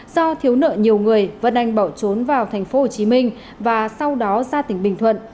do thiếu nợ nhiều người vân anh bỏ trốn vào thành phố hồ chí minh và sau đó ra tỉnh bình thuận